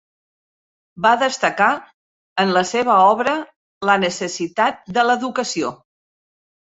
Va destacar en la seva obra la necessitat de l'educació.